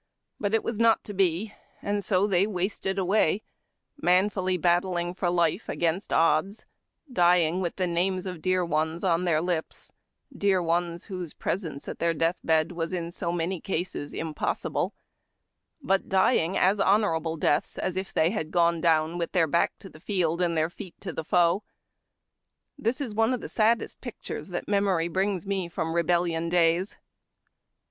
But it was not to be, and so they wasted away, manfully battling for life against odds, dying with the names of dear ones on their lips, dear ones whose presence at the death bed was in so many cases impossible, but dying as honorable deaths as if they had gone down " With their back to the field and their feet to the foe." This is one of the saddest pictures that memory brings me from RebeUion days.